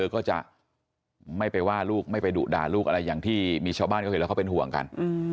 เค้าเห็นแลผู้ชาวบ้านเขาก็ห่วงขัน